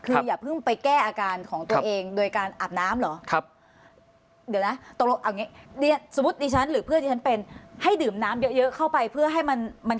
คืออย่าเพิ่งไปแก้อาการของตัวเองโดยการอาบน้ำเหรอ